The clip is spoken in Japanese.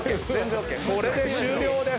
これで終了です。